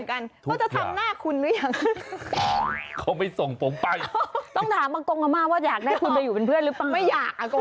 ก็จะทำหน้าคุณหรือยัง